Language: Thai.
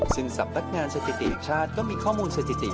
ซึ่งสำนักงานสถิติแห่งชาติก็มีข้อมูลสถิติ